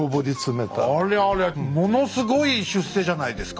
ありゃりゃものすごい出世じゃないですか。